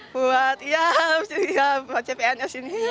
buat iya buat cpns ini